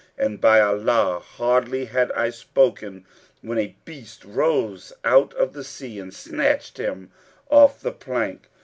And by Allah, hardly had I spoken when a beast rose out of the sea and snatched him off the plank.